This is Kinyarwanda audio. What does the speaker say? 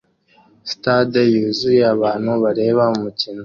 Stade yuzuye abantu bareba umukino